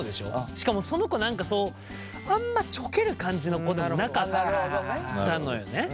しかもその子何かそうあんまちょける感じの子でもなかったのよね。